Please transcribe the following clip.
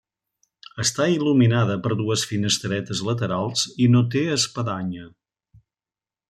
Està il·luminada per dues finestretes laterals i no té espadanya.